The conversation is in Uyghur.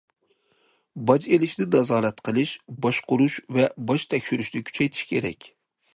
باج ئېلىشنى نازارەت قىلىش- باشقۇرۇش ۋە باج تەكشۈرۈشنى كۈچەيتىش كېرەك.